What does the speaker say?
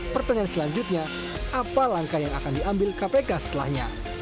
pertanyaan selanjutnya apa langkah yang akan diambil kpk setelahnya